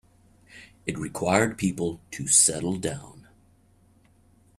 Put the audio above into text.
It required people to settle down.